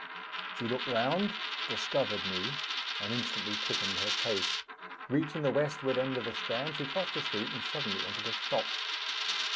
She looked round discovered me and instantly quickened her pace. Reaching the westward end of the Strand, she crossed the street and suddenly entered a shop.